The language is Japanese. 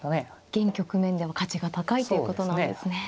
現局面でも価値が高いということなんですね。